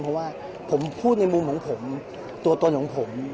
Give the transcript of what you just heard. เพราะว่าผมพูดในมุมของผมตัวตนของผม